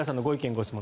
・ご質問